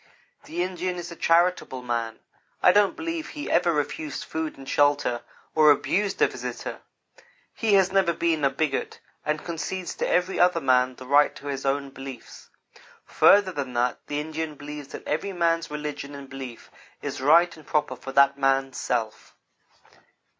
The Indian is a charitable man. I don't believe he ever refused food and shelter or abused a visitor. He has never been a bigot, and concedes to every other man the right to his own beliefs. Further than that, the Indian believes that every man's religion and belief is right and proper for that man's self.